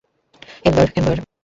Ember, ember!